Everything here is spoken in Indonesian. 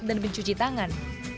dan mencuci tangan